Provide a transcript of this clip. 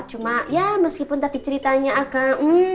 cuma ya meskipun tadi ceritanya agak